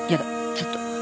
ちょっと。